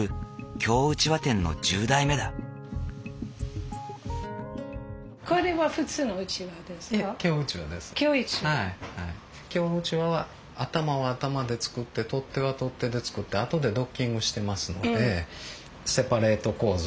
京うちわは頭は頭で作って取っ手は取っ手で作って後でドッキングしてますのでセパレート構造。